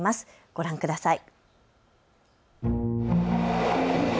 ご覧ください。